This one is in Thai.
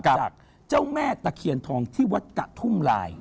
จากเจ้าแม่ตะเคียนทองที่วัดกะทุ่มลาย